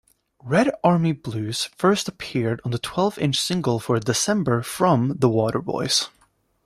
"Red Army Blues" first appeared on the twelve-inch single for "December" from "The Waterboys".